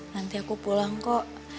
nanti aku pulang kok